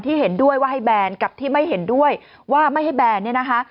เห็นด้วยว่าให้แบนกับที่ไม่เห็นด้วยว่าไม่ให้แบนเนี่ยนะคะ